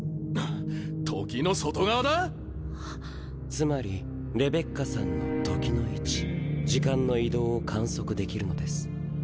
時の外側だぁ⁉つまりレベッカさんの時の位置時間の移動を観測できるのです。